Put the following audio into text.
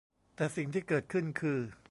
แต่สิ่งที่เกิดขึ้นคือ